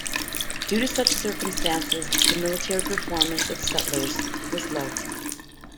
Due to such circumstances the military performance of settlers was low.